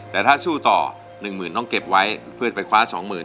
แต่ถ้าสู้ต่อหนึ่งหมื่นต้องเก็บไว้เพื่อไปคว้าสองหมื่น